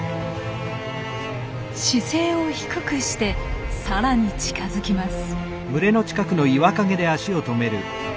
姿勢を低くしてさらに近づきます。